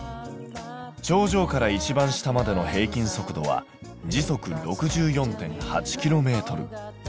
頂上から一番下までの平均速度は時速６４．８ｋｍ。